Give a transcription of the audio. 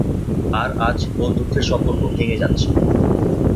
আর আজ বন্ধুত্বের সম্পর্ক ভেঙে যাচ্ছে।